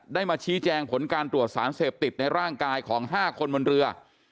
ได้มาชี้แจงผลการตรวจสารเสพติดในร่างกายของ๕คนบนเรือ